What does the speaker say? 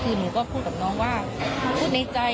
คือหนูก็พูดกับน้องว่าพูดในใจ